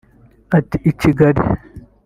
Ati “ I Kigali